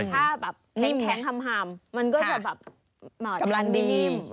ถ้าแบบแข็งฮำฮำมันก็จะแบบกำลังดี